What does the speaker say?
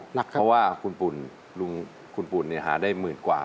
เพราะว่าคุณปุ่นเนี่ยหาได้๑๐๐๐๐กว่า